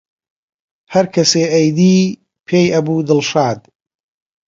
هەرکەسێ ئەیدی پێی ئەبوو دڵشاد